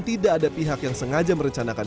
tidak ada pihak yang sengaja merencanakan